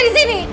kita di sini